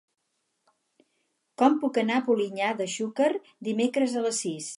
Com puc anar a Polinyà de Xúquer dimecres a les sis?